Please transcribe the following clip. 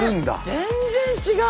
全然違う！